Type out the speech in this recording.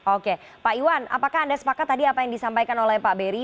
oke pak iwan apakah anda sepakat tadi apa yang disampaikan oleh pak beri